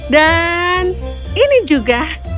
dan ini juga